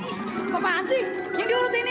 bagaimana sih kakak ini